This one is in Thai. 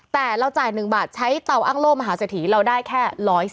แต่เราจ่าย๑บาทใช้เตาอ้างโล่มหาเศรษฐีเราได้แค่๑๔๐